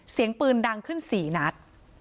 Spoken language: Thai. เสียงปืนดังขึ้น๔นัด